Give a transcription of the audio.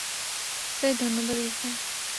তাই ধন্যবাদ, ইরফান।